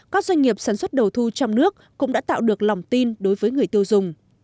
các doanh nghiệp sản xuất đầu thu trong nước cũng đã tạo được lòng tin đối với người tiêu dùng